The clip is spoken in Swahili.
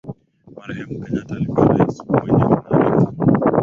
Marehemu kenyatta alikuwa rais mwenye maarifa